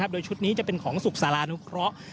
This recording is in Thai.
โดยชุดนี้จะเป็นของสุขสารานุเคราะห์